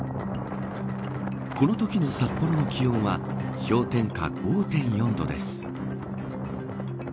このときの札幌の気温は氷点下５．４度です。